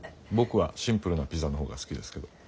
僕はシンプルなピザの方が好きですけど。